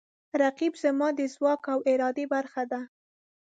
رقیب زما د ځواک او ارادې برخه ده